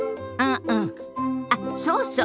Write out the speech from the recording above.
あっそうそう。